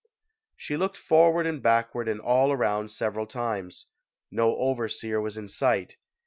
She looked forward and backward and all around several times. No overseer was in sight.